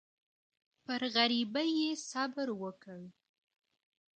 پر غریبۍ یې صبر وکړ.